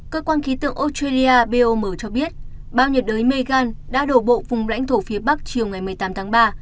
cơ quan khí tượng australia bom cho biết bao nhiệt đới megan đã đổ bộ vùng lãnh thổ phía bắc chiều ngày một mươi tám tháng ba